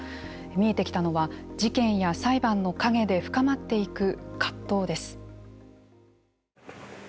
見えてきたのは事件や裁判の陰で深まっていく葛藤です。